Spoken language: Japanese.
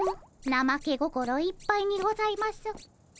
なまけ心いっぱいにございます。